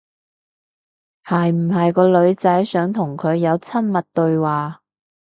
係唔係個女仔想同佢有親密對話？